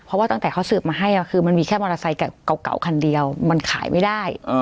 เพราะว่าตั้งแต่เขาสืบมาให้คือมันมีแค่มอเตอร์ไซค์เก่าคันเดียวมันขายไม่ได้